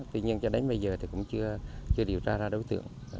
tuy nhiên cho đến bây giờ thì cũng chưa điều tra ra đối tượng